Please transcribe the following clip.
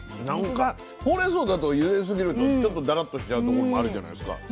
なんかほうれんそうだとゆですぎるとちょっとダラッとしちゃうところもあるじゃないですか。